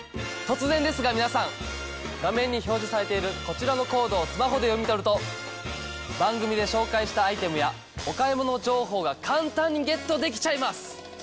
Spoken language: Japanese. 突然ですが皆さん画面に表示されているこちらのコードをスマホで読み取ると番組で紹介したアイテムやお買い物情報が簡単にゲットできちゃいます！